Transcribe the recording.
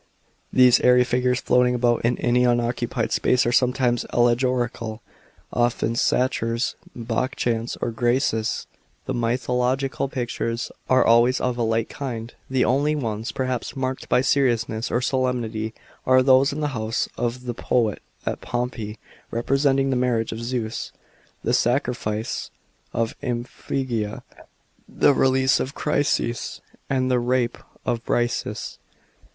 These airy figures floating about in any unoccupied space are sometimes allegorical, often Satyrs, Bacchants, or Graces. The mythological pictures are always of a light kind. The only ones, perhaps, marked by seriousness or solemnity are those in thr house of tho Poet at Pompeii, representing the marriage of Zeus, 27 B.C. 79 A.D. PICTURES OF POMPEII. 589 the sacrifice of Iphigenia, the release of Chryseis, and the Rape of Briseis.